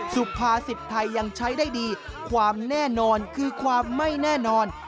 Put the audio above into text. สุภาษิตไทยยังใช้ได้ดีความแน่นอนคือความไม่แน่นอน